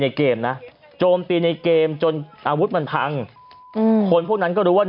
เกมนะโจมตีในเกมจนอาวุธมันพังอืมคนพวกนั้นก็รู้ว่า